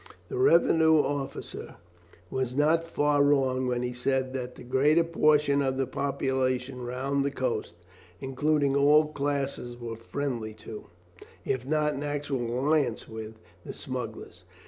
The revenue officer was not far wrong when he said that the greater portion of the population round the coast, including all classes, were friendly to, if not in actual alliance with, the smugglers.